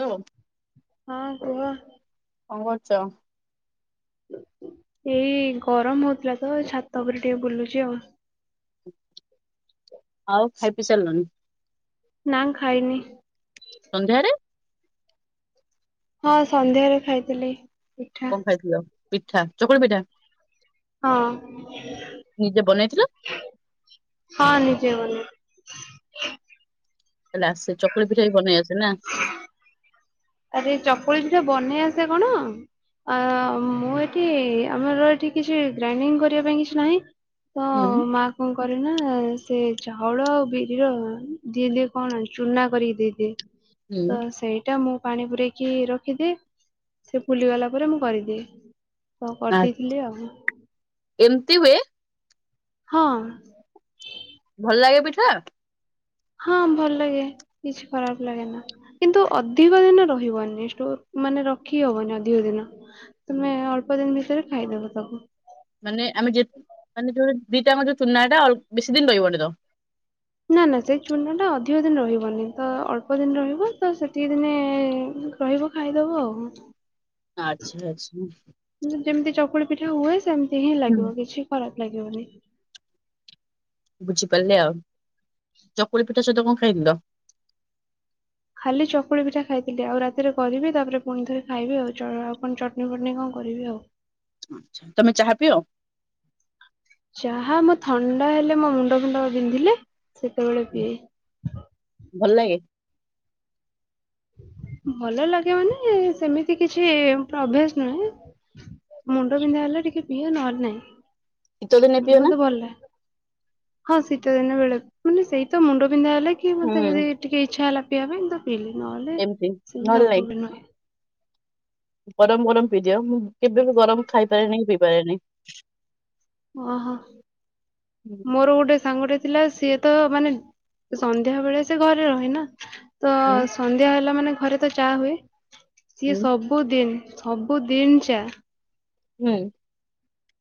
ଲୋମ୍ ହଁ କୁହ? କଣ କରୁଚ? ଏଇ ଗରମ ହଉଥିଲା ତ ଛାତ ଉପରେ ଟିକେ ବୁଲୁଚି ଆଉ। ଆଉ ଖାଇ ପିଇ ସାରଲନି? ନାଁ ଖାଇନି। ସନ୍ଧ୍ୟାରେ ହଁ ସନ୍ଧ୍ୟାରେ ଖାଇଥିଲି। ପିଠା। କଣ ଖାଇଥିଲ ପିଠା ଚକୁଳି ପିଠା? ହଁ ନିଜେ ବନେଇଥିଲ ହଁ ନିଜେ ବନେଇକି। ତାହେଲେ ଆସେ ଚକୁଳି ପିଠାବି ବନେଇ ଆସେ ନା? ଆରେ ଚକୁଳି ପିଠା ବନେଇ ଆସେ କଣ ଆ ମୁଁ ଏଠି ଆମର ଏଠି କିଛି ଗ୍ରାଇଣ୍ଡିଙ୍ଗ କରିବା ପାଇଁ କିଛି ନାହିଁ ତ ହୁଁ ମା କଣ କରେ ନା ସେ ଚାଉଳ ଆଉ ବିରିର ଦିଏ ଦିଏ କଣ ଚୁନା କରିକି ଦେଇ ହି ହୁଁ ତ ସେଇଟା ମୁଁ ପାଣି ପୁରେଇକି ରଖିଦିଏ ସେ ଫୁଲିଗଲା ପରେ ମୁଁ କରିଦିଏ। ତ କରଦେଇଥିଲି ଆଉଁ। ଏମତି ହୁଏ? ହଁ। ଭଲ ଲାଗେ ପିଠା? ହଁ ଭଲ ଲାଗେ କିଛି ଖରାପ ଲାଗେ ନା। କିନ୍ତୁ ଅଧିକ ଦିନ ରହିବନି ଷ୍ଟୋର ମାନେ ରଖି ହବନି ଅଧିକ ଦିନ। ହୁଁ, ତୁମେ ଅଳ୍ପ ଦିନି ଭିତରେ ଖାଇଦେବ ତାକୁ। ମାନେ ଆମେ ଯେ ମାନେ ଯୋଉରା ଦିଟା ଯାଙ୍କ ଯୋଉ ଚୁନାଟା ଅଳ୍ପ ବେଶୀ ଦିନ ରହିବନି ତ? ନା ନା ସେଇ ଚୁନା ଟା ଅଧିକ ଦିନ ରହିବନି ତ ଅଳ୍ପ ଦିନ ରହିବ ତ ସେତିକି ଦିନି ଇ ଇ ରହିବ ଖାଇଦବ ଆଉ। ଆଚ୍ଛା ଆଚ୍ଛା। କିନ୍ତୁ ଯେମତି ଚକୁଳି ପିଠା ହୁଏ ସେମତି ହିଁ ଲାଗିବ କିଛି ଖରାପ ଲାଗିବନି। ବୁଝିପାରଲି ଆଉ ଚକୁଳି ପିଠା ସହିତ କଣ ଖାଇଥିଲ? ଖାଲି ଚକୁଳି ପିଠା ଖାଇଥିଲି ଆଉ ରାତିରେ କରିବି ତାପରେ ଫୁଣିଥରେ ଖାଇବି ଆଉ ଚ ଅ ଅ ଆଉ କଣ ଚଟଣି ଫଟନି କଣ କରିବି ଆଉ। ଆଚ୍ଛା ତମେ ଚାହା ପିଅ? ଚାହା ମୁଁ ଥଣ୍ଡା ହେଲେ ମୋ ମୁଣ୍ଡ ଫୁଣ୍ଡ ବିନ୍ଧିଲେ ସେତେବେଳେ ହୁଁ, ପିଏ। ଭଲ ଲାଗେ? ଭଲ ଲାଗେ ମାନେ ଏ ସେମିତି କିଛି ଅଭିୟାସ ନାହିଁ। ମୁଣ୍ଡ ବିନ୍ଧା ହେଲେ ଟିକେ ପିଅ ନହେଲେ ନାଇଁ। ଶୀତ ଦିନେ ପିଅ ନା? ମତେ ଭଲ ଲାଗେ ହଁ ଶୀତ ଦିନ ବେଳେ ମାନେ ସେଇତ ମୁଣ୍ଡ ବିନ୍ଧା ହେଲା କି କି ହୁଁ ମତେ ଯଦି ଟିକେ ଇଚ୍ଛା ହେଲା ପିଇବା ପାଇଁ ତ ପିଇଲି ନହେଲେ ଏମିତି ନହେଲେ ନାଇଁ ସବୁବେଳେ ନୁହେଁ। ଗରମ ଗରମ ପିଇଦିଅ, ମୁଁ କେବେ ବି ଗରମ ଖାଇପାରେନି କି ପିଇପାରେନି। ଓ ହୋ ମୋର ଗୋଟେ ସାଙ୍ଗଟେ ଥିଲା ସିଏ ତ ମାନେ ଏ ସନ୍ଧ୍ୟା ବେଳେ ସେ ଘରେ ରହେ ନା ତ ହୁଁ ସନ୍ଧ୍ୟା ହେଲା ମାନେ ଘରେ ତ ଚା ହୁଏ ସିଏ ହୁଁ ସବୁଦିନ ସବୁଦିନ ଚା ହୁଁ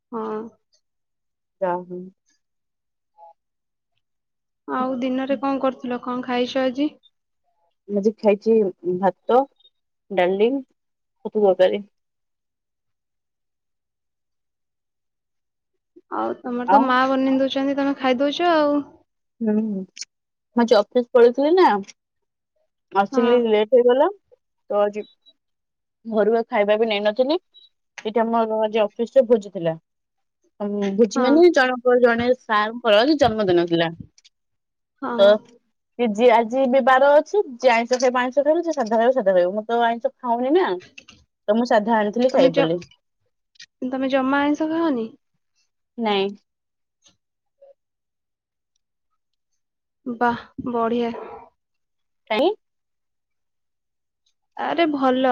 ହଁ। ଚା ହଁ ଆଉ ଦିନରେ କଣ କରୁଥିଲ, କଣ ଖାଇଛ ଆଜି? ମୁଁ ଆଜି ଖାଇଛି ଭାତ, ଡାଲି, ଛତୁ ତରକରି। ଆଉ ତମର ତ ଆଉ ମା ବନେଇ ଦଉଛନ୍ତି, ତମେ ଖାଇଦଉଛ ଆଉ ହୁଁ ହୁଁ ମୁଁ ଆଜି ଅଫିସ ପଲେଇଥିଲି ନା ହଁ ଆସିଲି ଲେଟରେ ହେଇଗଲା ତ ଆଜି ଘରୁ ଆଜି ବି ଖାଇବା ନେଇନଥିଲି ସେଇଠି ଆମର ଆଜି ଅଫିସରେ ଭୋଜିଥିଲା। ହୁଁ ହଁ ଭୋଜିମାନେ ଜଣଙ୍କର ଜଣେ ସାରଙ୍କର ଜନ୍ମଦିନ ଥିଲା। ହଁ ଯିଏ ଆଜି ବିବାଦ ଅଛିି ଯିଏ ଆଇଁଷ ଖାଇବା ଆଇଁଷ ଖାଇବ ଯିଏ ସାଧା ଖାଇବ ସେ ସାଧା ଖାଇବ ମୁଁ ତ ଆଇଁଷ ଖାଉନି ନା, ତ ମୁଁ ସାଧା ଆଣିଥିଲି ଖାଇବି ବୋଲି ତୁମେ ଜମା ଆଇଁଷ ଖାଅ ନି? ନାଇଁ। ବାଃ ବଢିଆ। କାଇଁ? ଆରେ ଭଲ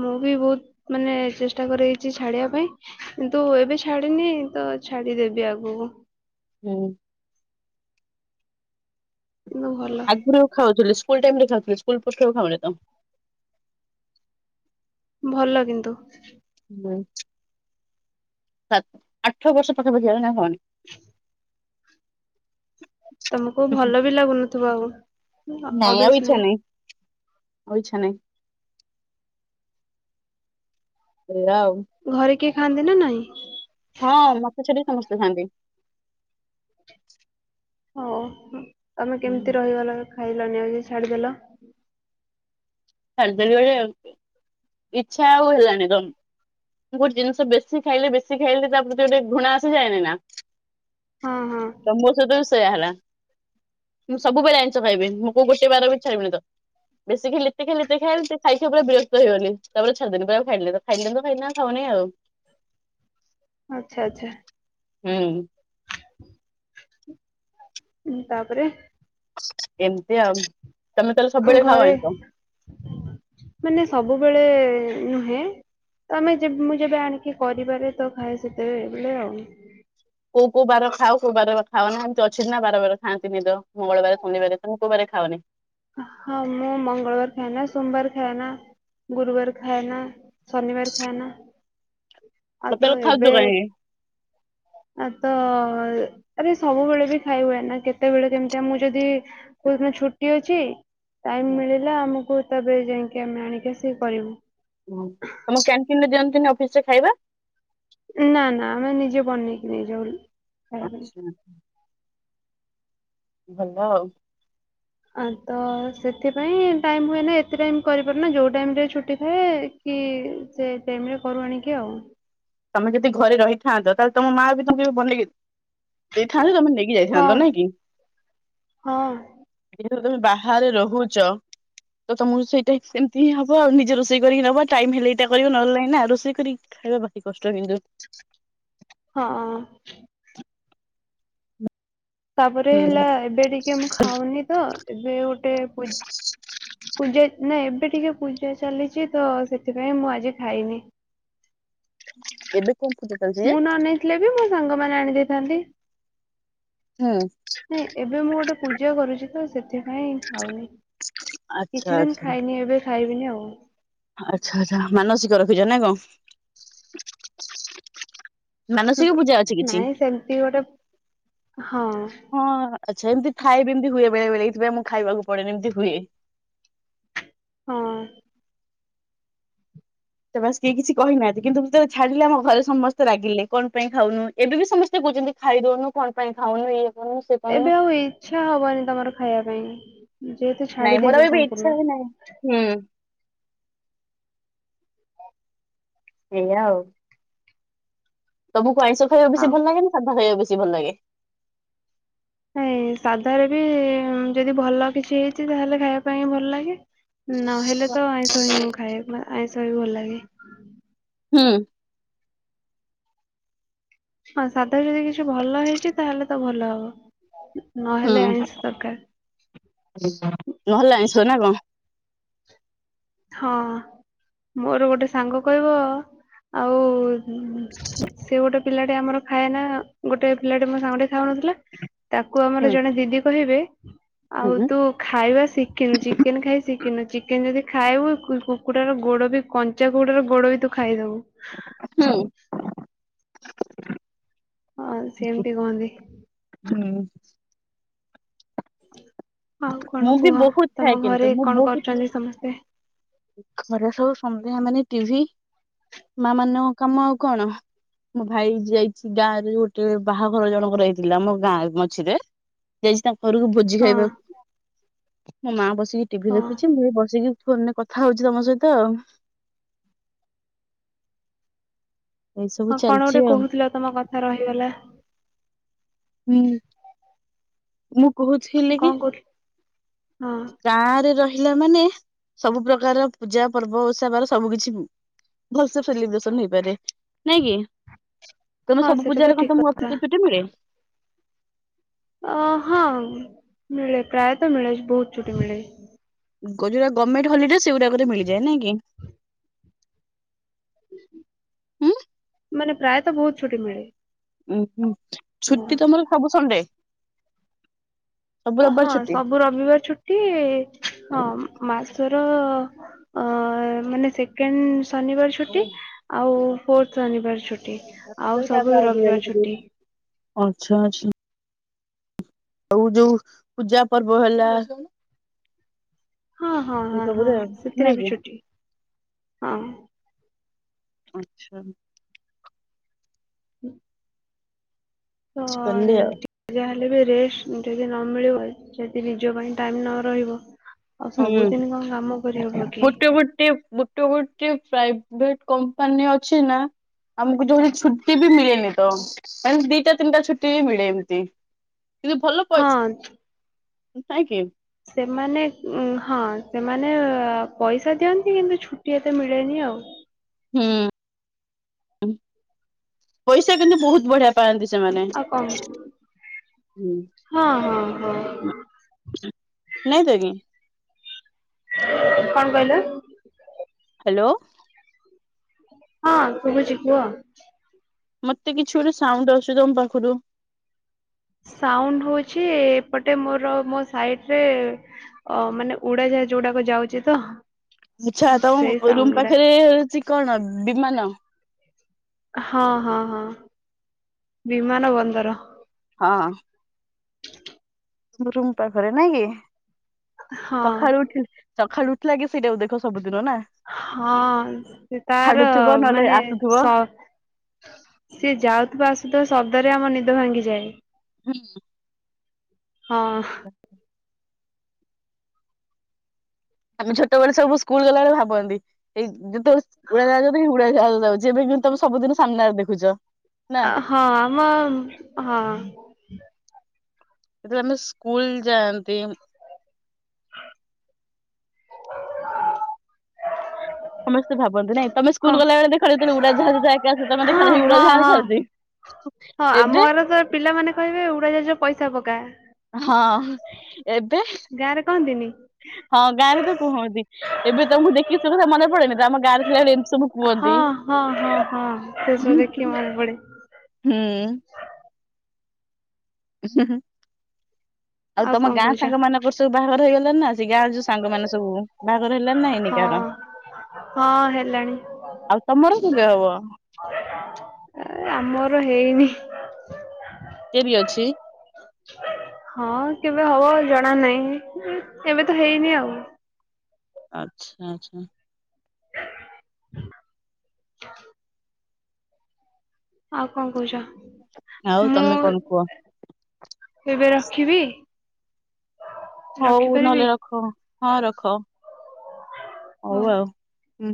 ମୁଁ ବି ବହୁତ ମାନେ ଚେଷ୍ଟା କରେଇଛି ଛାଡିବା ପାଇଁ କିନ୍ତୁ ଏବେ ଛାଡିନି ତ ଛାଡିଦେବି ଆଗକୁ। ହୁଁ କିନ୍ତୁ ଭଲ ଆଗରୁ ଖାଉଥିଲି ସ୍କୁଲ ଟାଇମରେ ଖାଉଥିଲି ସ୍କୁଲ ପରଠୁ ଆଉ ଖାଉନି ତ ଭଲ କିନ୍ତୁ ହୁଁ ଆ ଆଠ ବର୍ଷ ପାଖାପାଖି ହେଲାଣି ଆଉ ଖାଉନି। [unintelligible] ତମକୁ ହୁଁ ହୁଁ। ଭଲ ବି ଲାଗୁନଥିବ ଆଉ ନାଇଁ ଆଉ ଅଭ୍ୟାସ ଇଚ୍ଛା ନାହିଁ। ଆଉ ଇଛା ନାହିଁ। ହେଲା ଆଉ ଘରେ କିଏ ଖାଆନ୍ତି ନା ନାଇଁ? ହଁ ମୋତେ ଛାଡି ସମସ୍ତେ ଥାନ୍ତି। ହଉ ତମେ ହୁଁ। କେମିତି ରହିଗଲ ଖାଇଲ ନି ଆଜି ଛାଡିଦେଲ। ଝଡ଼ିଦେବି ବୋଲି ଆଉ କିଛି ଆଉ ହେଲାଣି, ଡନ ମୁଁ ଗୋଟେ ଜିନିଷ ବେଶୀ ଖାଇଲେ ବେଶୀ ଖେଲିଲେ ତା ପ୍ରତି ଗୋଟେ ଘୃଣା ଆସିଯାଏନି ନା। ହଁ ହଁ ତ ମୋ ସହିତ ସେୟା ହେଲା ମୁଁ ସବୁବେଳେ ଆଇଷ ଖାଇବି ମୁଁ କଉ ଗୋଟେ ବାର ବି ଛାଡିବିନି ତ ବେଶୀ ଖାଇଲି ଏତେ ଖାଇଲେ ଏତ ଖାଇଲେ ଖାଇ ଖାଇ ପୁରା ବିରକ୍ତହେଇ ଗଲି ତାପରେ ଛାଡି ଦେନି ପୁରା ଖାଇଲି ନେଇ ତ ଖାଇଲେ ତ ଖାଇନା ହଉନି ଆଉ ଆଚ୍ଛା ଆଚ୍ଛା ହୁଁ ଉ ତାପରେ ଏମତି ଆମ ଉ ଘରେ [inaudible] ମାନେ ସବୁବେଳେ ନୁହେଁ ତମେ ଯେ ମୁଁ ଯେବେ ଆଣିକି କରିିବାରେ ତ ଖାଏ ସେତେବେଳେ ଆଉ କୋଉ କୋଉ ବାର ଖାଉ କଉ ବାର ଖାଉ ନା ଏମିତି ଅଛି ନା ବାର ବାର ଖାଆନ୍ତିତିନି ଦହ ମଙ୍ଗଳବାର ଶନିବାର ତମେ କୋଉ ବାର ଖାଉନି ହଁ ମୁଁ ମଙ୍ଗଳବାର ଖାଏନା ସୋମବାର ଖାଏ ନା ଗୁରୁବାର ଖାଏନା ଶନିବାର ଖାଏନା ଆଉ ତ ତାଲେ ଏବେ ଖାଉଛ କାଇକି ଆ ତ ଆରେ ସବୁବେଳେ ବି ଖାଇ ହୁଏ ନା କେତେବେଳେ କେମତି ମୁଁ ଯଦି କେଉଁଦିନ ଛୁଟି ଅଛି ଟାଇମ ମିଳିଲା ଆମକୁ ତାପ ଯାଇକି ଆମେ ଆଣିକି ସେ କରିବୁ ଓ ତମ କ୍ୟାଣ୍ଟିନ ରେ ଦିଅନ୍ତିନି ଅଫିସ ରେ ଖାଇବା ନା ନା ଆମେ ନିଜେ ବନେଇକି ନେଇଯାଉରି ଆଛା ଭଲ ଆଉ ଆ ତ ସେଥିପାଇଁ ଟାଇମ୍ ହୁଏ ନା ଏତେ ଟାଇମ କରିପାରୁନା ଯୋଉ ଟାଇମ ରେ ଛୁଟି ଥାଏ କି ସେ ଟାଇମରେ କରୁ ଆଣିକି ଆଉ ତମେ ଯଦି ଘରେ ରହିଥାନ୍ତତା ତାହେଲେ ତମ ମା ବି ତୁେ କେ ବି ବନେଇକି ଦେଇ ଥାନ୍ତେ ତମେ ନେଇକି ହଁ ଯାଇଥାନ୍ତ ନାଇଁ କି ହଁ। ଯେହେତୁ ତମେ ବାହାରେ ରହୁଛ ତ ତମକୁ ସେଇଟା ଏମିତି ହିଁ ହବ ଆଉ ନିଜେ ରୋଷେଇ କରିକି ନବ ଟାଇମ ହେଲେ ଏଇଟା କରିବ ନହଲେ ନାଇ ନା ରୋସେଇ କରିକି ଖାଇବା ଭାରି କଷ୍ଟ କିନ୍ତୁ ହଁ ତାପରେ ହେଲା ହୁଁ ଏବେ ଟିକେ ମୁଁ ଖାଉନି ତ ଏବେ ଗୋଟେ ପୂ ପୂଜା ନା ଏବେ ଟିକେ ପୂଜା ଚାଲିଛି ତ ସେଥିପାଇଁ ମୁଁ ଆଜି ଖାଇନି ଏବେ କଉଁ ପୂଜା ଚାଲିଚି? ମୁଁ ନ ନେଇଥିଲେ ବି ମୋ ସାଙ୍ଗମାନେ ଆଣି ଦେଇେଥାନ୍ତି ହୁଁ ନାଇଁ ଏବେ ମୁଁ ଗୋଟେ ପୂଜା କରୁଛି ତ ସେଥିପାଇଁ ଆଉନି ଆଚ୍ଛା କିଛି ଦିନି ଖାଇନି ଏବେ ଖାଇବିନି ଆଉ ଆଚଛା ଆଚ୍ଛା ମାନସିକ ରଖିଛ ନାଇ କଣ ମାନସିକ ପୂଜା ଅଛି କିଛି ନାଇଁ ସେମିତି ଗୋଟେ ହଁ ହଁ ଆଚ୍ଛା ଏମି ଥା ଏମତି ହୁଏ ବେଳେ ଏଇଥିପାଇ ମୁଁ ଖାଇବାକୁ ପଡେନ ଏମିତି ହୁଏ ହଁ ତ ବାସ କିହି କିଛି କହିନାହାନ୍ତି। କିନ୍ତୁତ ଛାଡିଲେ ଆମ ଘରେ ସମସ୍ତେ ରାଗିଲେ କଣ ପାଇଁ ଖାଉନୁ ଏବେ ବି ସମସ୍ତେ କହୁଛନ୍ତି ଖାଇଦଉନୁ। କଣ ପାଇଁ ଖାଉନୁ ଏଇ କରୁନୁ। ସେ କରୁନୁ ଏବେ ଆଉ ଇଛା ହବନି ତମର ଖାଇବା ପାଇଁ। ଯେହେତୁ ଛାଡି ନାଇଁ ମୋର ଦେଇଛ ବି ବି ସମ୍ପୂର୍ଣ୍ଣ ଇଛା ହି ନହିଁ ହୁଁ। ଏଇଆ ଆଉ। ତମକୁ ଆଇଁଷ ଖାଇବା ବେସି ଆଉ ଭଲ ଲାଗେ ନା ସାଧା ଖାଇବାକୁ ବେଶୀ ଭଲ ଲାଗେ? ନାଇଁ ସାଧା ବି ଯଦି ଭଲ କିଛି ହେଇଛି ତାହେଲେ ଖାଇବା ପାଇଁ ଭଲ ଲାଗେ। ନହେଲେ ତ ଆଇଁଷ ହିଁ ମୁଁ ଖାଏ ଆଇଁଷ ହିଁ ଭଲ ଲାଗେ। ହୁଁ। ହଁ ସାଧା ଯଦି କିଛି ଭଲ ହେଇଛି ତାହେଲେ ତ ଭଲ ହବ ନହେଲେ ଆଇଁଷ ଦରକାର। ଭଲ ଆଣିସିବ ନା କଣ [unintelligible] ହଁ ମୋର ଗୋଟେ ସାଙ୍ଗ କହିବ ଆଉ ହୁଁ ସେ ଗୋଟେ ପିଲାଟି ଆମର ଖାଏ ନା ଗୋଟେ ପିଲାଟି ମୋ ସାଙ୍ଗଠ ଖାଉନଥିଲା। ତାକୁ ଆମର ହୁଁ ଜଣେ ଦିଦି କହିବେ ହୁଁ ଆଉ ହୁଁ। ତୁ ଖାଇବା ଶିଖିନୁ ଚିକେନ ଖାଇ ଶିଖିନୁ ଚିକେନ ଯଦି ଖାଇବୁ କୁକୁଡାର ଗୋଡ ବି କଞ୍ଚା କୁକୁଡ ର ଗୋଡ ବି ତୁ ଖାଇଦବୁ। ହୁଁ। ହଁ ସେମତି କୁହନ୍ତି। ହୁଁ। ଆଉ ମୁଁ କଣ ବି କୁହ ବହୁତ ଖାଏ ତମ ଘରେ କିନ୍ତୁ ମୁଁ କଣ ବହୁତ କରୁଛନ୍ତି ସମସ୍ତେ? ଖରା ସବୁ ସନ୍ଦା ମାନେ ଟିଭି ମା ମାନଙ୍କ କାମ ଆଉ କଣ? ମୋ ଭାଇ ଯାଇଛି ଗାଁରେ ଗୋଟେ ବାହାଘର ଜଣକ ହେଇଥିଲା ଆମ ଗାଁ ମଝିରେ ଯାଇଛି ତାଙ୍କ ଘରକୁ ଭୋଜି ହଁ ଖାଇବାକୁ। ମୁଁ ମା ବସିକି ଟିଭି ହଁ ଦେଖୁଛି ମୁଁ ବସିକି ଫୋନରେ କଥା ହଉଛି ତମ ସହିତ ଆଉ। ଏଇ ସବୁ ହଁ କଣ ଚାଲିଛି ଗୋଟେ ଆଉ କହୁଥିଲ ତମ କଥା ରହିଥିଲା। ହୁଁ ମୁଁ କହୁଥିଲି କଣ କି? କହୁଥି ହଁ ଗାଁରେ ରହିଲା ମାନେ ସବୁ ପ୍ରକାର ପୂଜା ପର୍ବ ଓସବାର ସବୁ କିିଛି ଭଲସେ ସେଲିବ୍ରେସନ ହେଇପାରେ ନାଇଁ କି? ତମେ ହଁ ସେଟା ତ ସବୁୂଜାରେ କଣ ଠିକ ତମ କଥା ଅଫିସରୁ ଛୁଟି ମିଳେ। ଅ ହଁ ମିଳେ ପ୍ରାୟତଃ ମିଳେ ବହୁତ ଚଛୁଟି ମିଳେ। ଗୋଉଟା ଗଭର୍ଣମେଣ୍ଟ ହଲିଡେ ସେଇଗୁଡାକରେ ମିଳିଯଏ ନାଇଁ କି? ହୁଁ ମାନେ ପ୍ରାୟତଃ ବହୁତ ଛୁଟି ମିଳେ। ଉଁ ହୁଁ ହଁ। ଛୁଟି ତମର ସବୁ ସଣ୍ଡେ ସବୁ ରବିବାର ହଁ ଛୁଟି ସବୁ ରବିବାର ଛୁଟି ହଁ ମାସର ଅ ମାନେ ସେକେଣ୍ଡ ଶନିବାର ଛୁଟି ସବୁ ଆଉ ଫୋର୍ଥ ଶନିବାର ଛୁଟି। ଛୁଟି ପକେଇ ଆଉ ସବୁ ରବିବାର ଛୁଟି। ଅଛ ଆଛା। ଆଉ ଯୋଉ ପୂଜା ପର୍ବ ହେଲା। ହଁ ହଁ ହଁ ହଁ ସବୁରେ ସେଥିରେ ନାଇଁ ବି କି ଛୁଟି ହଁ। ଆଁଛା। ହୁଁ। କିଛି କଲି ଏବେ। ଯାହେଲେ ବି ରେଷ୍ଟ ଯଦି ନ ମିଳିବ ଯଦି ନିଜ ପାଇଁ ଟାଇମ୍ ନ ରହିବ। ଆଉ ହୁଁ ସବୁଦିନ କଣ କାମ କରିହବ କି ଗୋଟେ ଗୋଟେ ମୁ ଟେ ଗୋଟେ ପ୍ରାଇଭେଟ କମ୍ପାନୀ ଅଛି ନା ଆମକୁ ଯୋଉଠି ଛୁଟି ବି ମିଳେନି ତ। ମାନେ ଦିଟା ତିନିଟା ଛୁଟି ବି ମିଳେ ଏମିତି। କିନ୍ତୁ ଭଲ ହଁ ପଇସା ନାଇଁକି? ସେମାନେ ହଁ ସେମାନେ ପଇସା ଦିଅନ୍ତି କିନ୍ତୁ ଛୁଟି ଏତେ ମିଳେନି ଆଉ। ହୁଁ ପଇସା କିନ୍ତୁ ବହୁତ ବଢିଆ ପାଆନ୍ତି। ମାନ ଆଉ କଣ ହଁ ହଁ ହଁ ହଁ [inaudible] ନାଇଁ ତ ଆଜ୍ଞା [inaudible] କଣ କହିଲ? ହ୍ୟାଲୋ ହଁ ଶୁଭୁଛି କୁହ। ମତେ କିଛି ଗୋଟେ ସାଉଣ୍ଡ ଆସୁଛି ତମ ପାଖରୁ। ସାଉଣ୍ଡ ହେଉଛି ଏପଟେ ମୋର ମୋ ସାଇଟରେ ଅ ମାନେ ଉଡା ଯାହାଜ ଉଡାକ ଯାଉଛି ତ। ଆଛା ସେଇ ତମ ସାଉଣ୍ଡ ରୁମ ଗୁଡା। ପାଖରେ ହେଉଛି କଣ ବିମାନ। ହଁ ହଁ ହଁ ବିମାନ ବନ୍ଦର। ହଁ ରମ ପାଖରେ ନାଇଁ କି ହଁ ସକାଳୁ ଉଠି - ସଖାଳୁ ଉଠିଲେ ଆଗ ସେଇଟାକୁ ଦେଖ ସବୁଦିନ ନା ହଁ ସେ ତାର ଛାଡୁଥିବ ନହେଲେ ମାନେ ଆସୁଥିବ ସ ସିଏ ଯାଉଥିବା ଆସୁଥିବା ଶବ୍ଦରେ ଆମ ନିଦ ଭାଙ୍ଗିଯାଏ। ହୁଁ ହଁ ଆଛା ଆମେ ଛୋଟବେଳେ ସବୁ ସ୍କୁଲ ଗଲାବେଳେ ଭାବନ୍ତି ଏଇ ଯେତେବେଳେ ଉଡାଯାହାଜ ଦେଖନ୍ତି ଉଡାଯାହାଜ ଯାଉଛି। ଯେବେ କିନ୍ତୁ ତମେ ସବୁଦିନ ସାମ୍ନାରେ ଦେଖୁଛ। ନା ହଁ ଆମ ହଁ ଯେତେବେଳେ ଆମେ ସ୍କୁଲ ଯାଆନ୍ତି। ସମସ୍ତେ ଭାବନ୍ତି ନାଁଇ। ତମ କ ସ୍କୁଲ ଗଲାବେଳେ ଦେଖ ଯେତେବେଳେ ଉଡାଯାହାଜ ଯାଏ। ମେ ହଁ ଖାନ ଉୁଡା ହଁ ହଁ। ଯାସଛି ଏବେ [inaudible] ପିଲାମାନେେ କହିବେ ଉଡାଯାହଜ ପଇସା ପକା। ହଁ ଏବେ। ଗାଁରେ କହନ୍ତିନି ହଁ ଗାଁ ରେ ତ କୁହନ୍ତି, ଏବେ ତମକୁ ଦେଖିକି ସବୁ କଥା ମନେ ପଡେନି ଆମ ଗାଁରେ ଥିଲାବେଳେ ଏମିତି ସବୁ ହଁ କୁହନ୍ତି ହଁ ହଁ ହଁ ସେସବୁ ଦେଖିକି ମନେ ପଡେ। ହୁଁ ହଁ ହ ଆଉ ତମ କଣ ଗାଁ କହୁଛ ସାଙ୍ଗ ମାନଙ୍କର ସବୁ ବାହାର ହେଇଗଲାଣି ନା। ସେ ଗାଁ ଯୋଉ ସାଙ୍ଗ ମାନେ ସବୁ ବାହାଘର ହେଲାଣି ନା ହେଇନି କାହାର? ହଁ ହଁ ହେଲାଣି। ଆଉ ତମର କେବେ ହବ? ଆମର ହେଇନି। ଡେରି ଅଛି। ହଁ କେବେ ହବ ଜଣା ନାହିଁ ଏବେ ତ ହେଇନି ଆଉ। ଆଛା ଆଛା। [inaudible] ଆଉ କଣ କୋହୁଚ? ଆଉ ତମେ କଣ କୁହ। ଏବେ ରଖିବି? ହୋଉ ନହେଲେ ରଖିପାରିବି ରଖ ହଁ ରଖ ହୋଉ ହଉ। ଆଉ ହୁଁ।